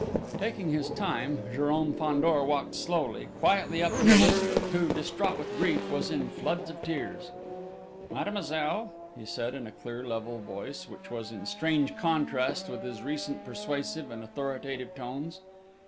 Taking his time, Jérôme Fandor walked slowly, quietly up to Elizabeth who, distraught with grief, was in floods of tears. "Mademoiselle," he said, in a clear level voice, which was in strange contrast with his recent persuasive and authoritative tones.